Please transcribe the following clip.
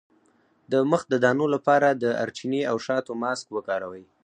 د مخ د دانو لپاره د دارچینی او شاتو ماسک وکاروئ